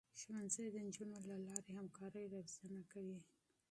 ښوونځی د نجونو له لارې همکاري روزنه کوي.